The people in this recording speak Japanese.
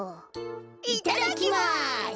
いただきます。